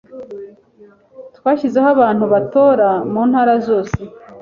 twashyizeho abantu batora mu ntara zose